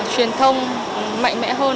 truyền thông mạnh mẽ hơn